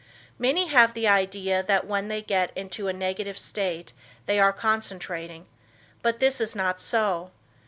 Many have the idea that when they get into a negative state they are concentrating, but this is not so.